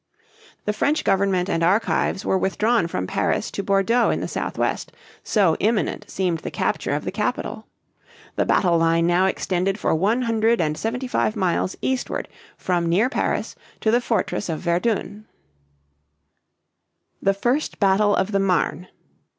The French government and archives were withdrawn from Paris to Bordeaux in the southwest, so imminent seemed the capture of the capital. The battle line now extended for one hundred and seventy five miles eastward from near Paris to the fortress of Verdun. THE FIRST BATTLE OF THE MARNE.